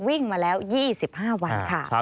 วิ่งมาแล้ว๒๕วันค่ะ